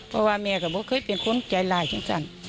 แต่แม่ก็ไม่เคยเป็นคนที่ใจจากใจคงสั่น